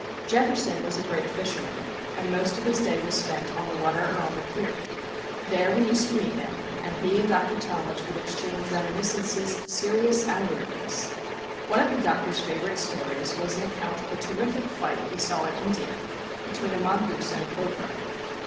Jefferson was a great fisherman, and most of his day was spent on the water or on the pier. There we used to meet him, and he and Dr. Talmage would exchange reminiscences, serious and ludicrous. One of the Doctor's favourite stories was an account of a terrific fight he saw in India, between a mongoose and a cobra.